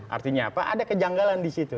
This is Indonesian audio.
artinya apa ada kejanggalan di situ